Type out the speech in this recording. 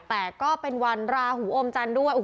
แต่ก็เป็นวันราหูอมจันทร์ด้วย